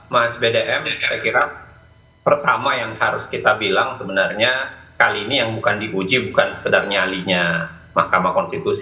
mas bdm kira kira pertama yang harus kita bilang sebenarnya kali ini yang bukan diuji bukan sekedar nyalinya mahkamah konstitusi